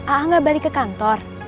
a gak balik ke kantor